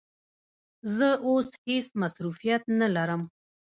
زه اوس هیڅ مصروفیت نه لرم.